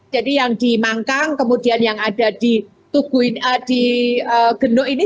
jadi yang di mangkang kemudian yang ada di genuk ini